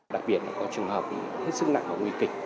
đặc biệt là có trường hợp hết sức nặng và nguy kịch